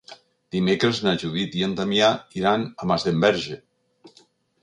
Dimecres na Judit i en Damià iran a Masdenverge.